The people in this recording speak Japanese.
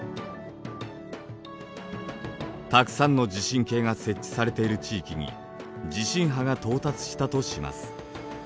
たくさんの地震計が設置されている地域に地震波が到達したとします。